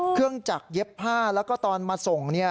เครื่องจักรเย็บผ้าแล้วก็ตอนมาส่ง